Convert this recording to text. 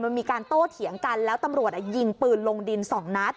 มันมีการโต้เถียงกันแล้วตำรวจยิงปืนลงดินสองนัด